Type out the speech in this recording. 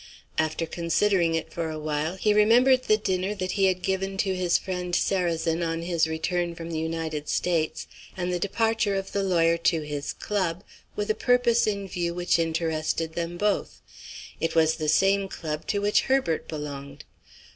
After considering it for a while, he remembered the dinner that he had given to his friend Sarrazin on his return from the United States, and the departure of the lawyer to his club, with a purpose in view which interested them both. It was the same club to which Herbert belonged.